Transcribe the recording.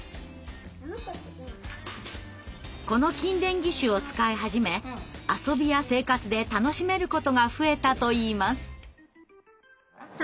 この筋電義手を使い始め遊びや生活で楽しめることが増えたといいます。